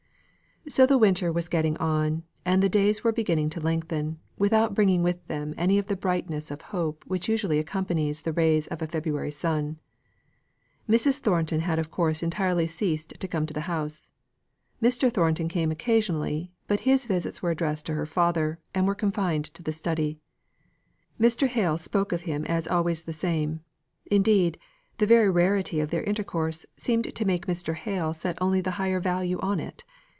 So the winter was getting on, and the days were beginning to lengthen, without bringing with them any of the brightness of hope which usually accompanies the rays of a February sun. Mrs. Thornton had of course entirely ceased to come to the house. Mr. Thornton came occasionally, but his visits were addressed to her father, and were confined to the study. Mr. Hale spoke of him as always the same; indeed, the very rarity of their intercourse seemed to make Mr. Hale set only the higher value on it.